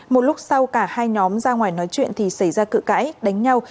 một lúc sau cả hai nhóm ra ngoài nói chuyện thì xảy ra cự cãi đánh nhau